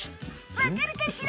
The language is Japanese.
分かるかしら。